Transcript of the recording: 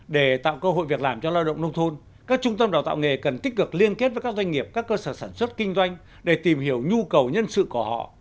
đào tạo nghề cho lao động nông thôn các trung tâm đào tạo nghề cần tích cực liên kết với các doanh nghiệp các cơ sở sản xuất kinh doanh để tìm hiểu nhu cầu nhân sự của họ